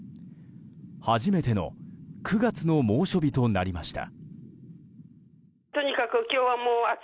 初めての９月の猛暑日となりました。